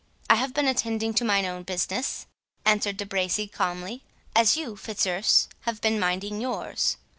"I have been attending to mine own business," answered De Bracy calmly, "as you, Fitzurse, have been minding yours."